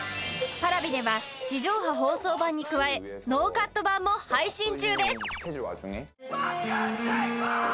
Ｐａｒａｖｉでは地上波放送版に加えノーカット版も配信中です